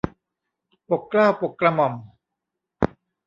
ปกเกล้าปกกระหม่อม